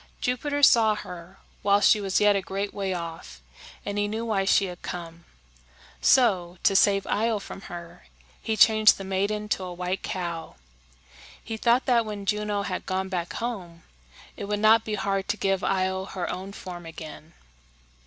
Jupiter saw her while she was yet a great way off, and he knew why she had come. So, to save Io from her, he changed the maiden to a white cow. He thought that when Juno had gone back home, it would not be hard to give Io her own form again.